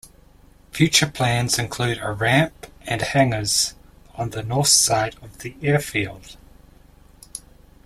Future plans include a ramp and hangars on the north side of the airfield.